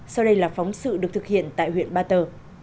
sau đây là phóng sự được thực hiện tại huyện ba tơ